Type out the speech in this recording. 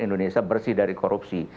indonesia bersih dari korupsi